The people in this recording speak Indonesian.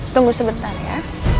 tunggu sebentar ya